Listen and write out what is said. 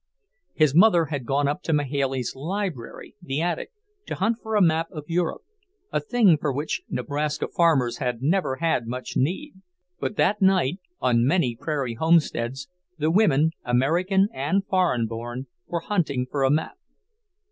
His mother had gone up to "Mahailey's library," the attic, to hunt for a map of Europe, a thing for which Nebraska farmers had never had much need. But that night, on many prairie homesteads, the women, American and foreign born, were hunting for a map.